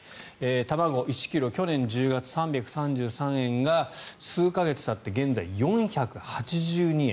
卵１ｋｇ去年１０月、３３３円が数か月たって現在４８２円。